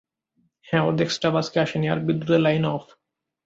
হ্যাঁ, অর্ধেক স্টাফ আজকে আসেনি, আর বিদ্যুতের লাইনও অফ!